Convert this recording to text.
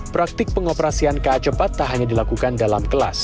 praktik pengoperasian ka cepat tak hanya dilakukan dalam kelas